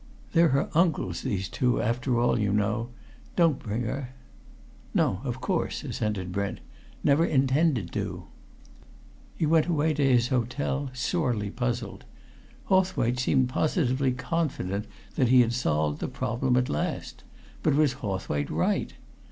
They're her uncles, these two, after all, you know. Don't bring her." "No; of course," assented Brent. "Never intended to." He went away to his hotel, sorely puzzled. Hawthwaite seemed positively confident that he had solved the problem at last; but was Hawthwaite right?